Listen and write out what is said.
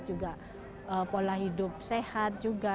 juga pola hidup sehat juga